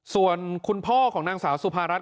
ส่วนคุณพ่อของนางสาวสุภารัฐ